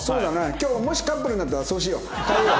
今日もしカップルになったらそうしよう変えよう。